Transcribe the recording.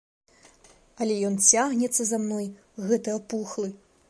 Але ён цягнецца за мной, гэты апухлы.